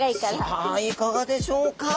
さあいかがでしょうか。